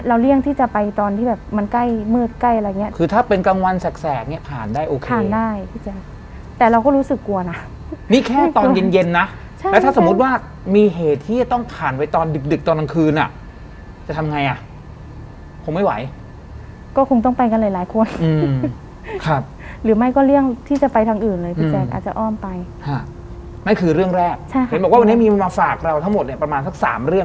เราเลี่ยงที่จะไปตอนที่แบบมันใกล้มืดใกล้อะไรอย่างนี้คือถ้าเป็นกลางวันแสกเนี่ยผ่านได้โอเคผ่านได้พี่แจ๊คแต่เราก็รู้สึกกลัวนะนี่แค่ตอนเย็นนะแล้วถ้าสมมุติว่ามีเหตุที่จะต้องผ่านไว้ตอนดึกตอนต่างคืนอ่ะจะทำไงอ่ะคงไม่ไหวก็คงต้องไปกันหลายคนหรือไม่ก็เลี่ยงที่จะไปทางอื่นเลยพี่แจ๊คอาจจะอ้อมไป